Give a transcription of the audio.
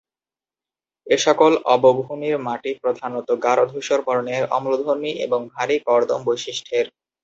এসকল অবভূমির মাটি প্রধানত গাঢ় ধূসর বর্ণের, অম্লধর্মী এবং ভারি কর্দম বৈশিষ্ট্যের।